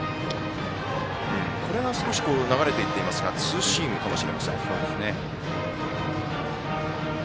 これが少し流れていっていますがツーシームかもしれません。